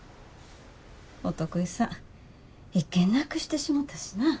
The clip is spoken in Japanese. お得意さん１件なくしてしもたしな。